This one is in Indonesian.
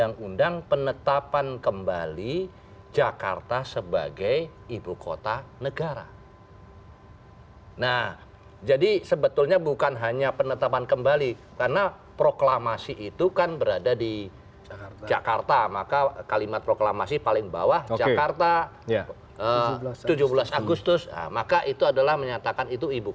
nanti saya tanya ke mas susirwan